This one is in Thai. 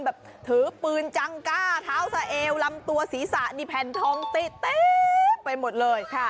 แบบถือปืนจังก้าเท้าสะเอวลำตัวศีรษะนี่แผ่นทองติ๊เต็มไปหมดเลย